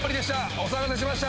お騒がせしました。